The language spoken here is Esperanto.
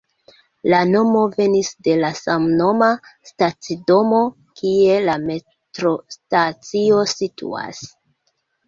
La nomo venis de la samnoma stacidomo, kie la metrostacio situas.